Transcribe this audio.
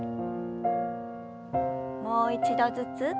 もう一度ずつ。